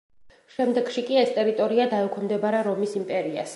შემდეგში კი ეს ტერიტორია დაექვემდებარა რომის იმპერიას.